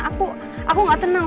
aku aku gak tenang